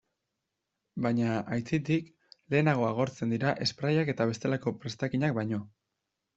Baina, aitzitik, lehenago agortzen dira sprayak eta bestelako prestakinak baino.